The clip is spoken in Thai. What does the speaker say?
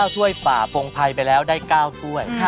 ถ้วยฝ่าฟงภัยไปแล้วได้๙ถ้วย